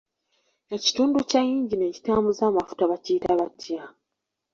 Ekitundu kya yingini ekitambuza amufuta bakiyita butya?